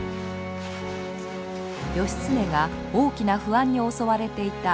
義経が大きな不安に襲われていた